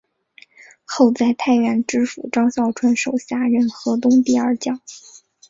后在太原知府张孝纯手下任河东第二将。